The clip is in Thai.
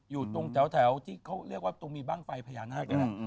อยู่ตรงแถวที่เขาเรียกว่าตรงมีบ้างไฟพญานาคนี่แหละ